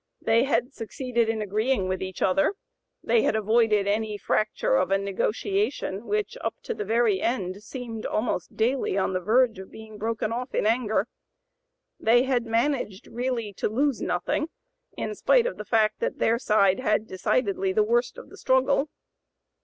They had succeeded in agreeing with each other; they had avoided any fracture of a negotiation which, up to the very end, seemed almost daily on the verge of being broken off in anger; they had managed really to lose nothing, in spite of the fact that their side had had decidedly the worst of the struggle.